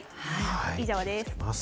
以上です。